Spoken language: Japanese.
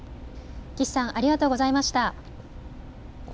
岸さん、ありがとうございました。